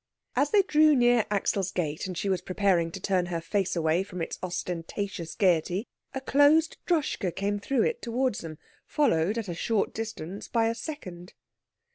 As they drew near Axel's gate, and she was preparing to turn her face away from its ostentatious gaiety, a closed Droschke came through it towards them, followed at a short distance by a second.